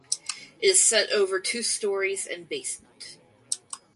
It is set over two storeys and basement.